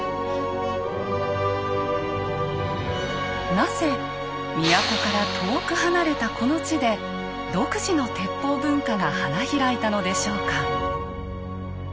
なぜ都から遠く離れたこの地で独自の鉄砲文化が花開いたのでしょうか？